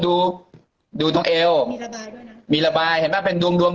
แต่หนูจะเอากับน้องเขามาแต่ว่า